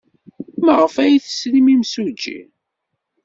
Maɣef ay tesrim imsujji?